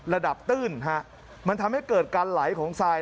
ตื้นฮะมันทำให้เกิดการไหลของทราย